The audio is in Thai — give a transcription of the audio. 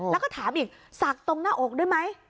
แล้วก็ถามอีกสักตรงหน้าอกด้วยไหม